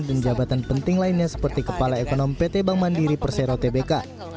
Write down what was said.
dan jabatan penting lainnya seperti kepala ekonom pt bank mandiri persero tbk